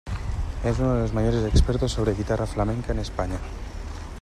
Es uno de los mayores expertos sobre guitarra flamenca en España.